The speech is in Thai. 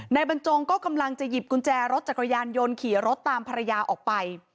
บรรจงก็กำลังจะหยิบกุญแจรถจักรยานยนต์ขี่รถตามภรรยาออกไป